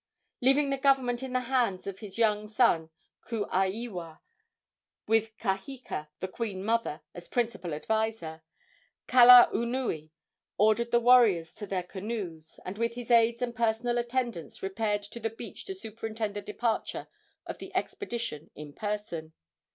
Leaving the government in the hands of his young son Kuaiwa, with Kaheka, the queen mother, as principal adviser, Kalaunui ordered the warriors to their canoes, and with his aids and personal attendants repaired to the beach to superintend the departure of the expedition in person.